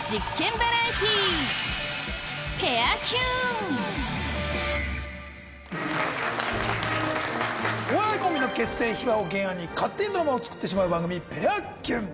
バラエティーお笑いコンビの結成秘話を原案に勝手にドラマを作ってしまう番組『ペアキュン』。